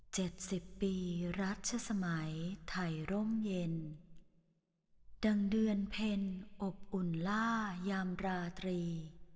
สิบปีรัชสมัยไทยร่มเย็นดังเดือนเพ็ญอบอุ่นล่ายามราตรี